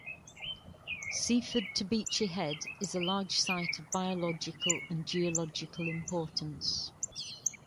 Seaford to Beachy Head is a large site of biological and geological importance.